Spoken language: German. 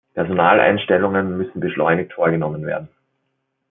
Personaleinstellungen müssen beschleunigt vorgenommen werden.